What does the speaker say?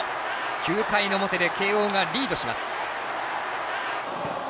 ９回の表で慶応がリードします。